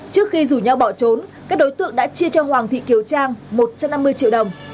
trước khi rủ nhau bỏ trốn các đối tượng đã chia cho hoàng thị kiều trang một trăm năm mươi triệu đồng